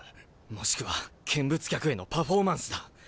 もしくは見物客へのパフォーマンスだ。